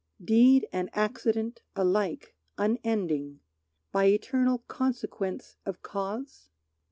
Deed and accident alike unending By eternal consequence of cause?